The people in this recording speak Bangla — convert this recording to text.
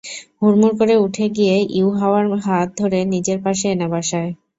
হুড়মুড় করে উঠে গিয়ে ইউহাওয়ার হাত ধরে নিজের পাশে এনে বসায়।